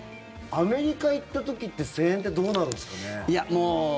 アメリカ行った時って声援ってどうなるんですかね。